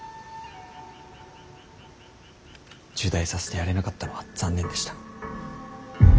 入内させてやれなかったのは残念でした。